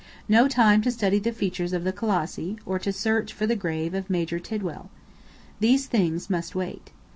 No time to study the features of the Colossi, or to search for the grave of Major Tidwell. These things must wait.